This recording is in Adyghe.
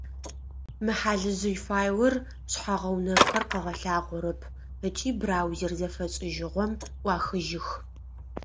Мы хьалыжъый файлыр шъхьэ-гъэунэфхэр къыгъэлъагъорэп ыкӏи браузэр зэфэшӏыжьыгъом ӏуахыжьых.